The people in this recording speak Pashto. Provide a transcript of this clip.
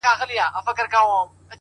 د ژوند دوران ته دي کتلي گراني “